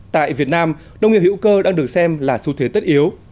tại việt nam nông nghiệp hữu cơ đang được xem là xu thế tất yếu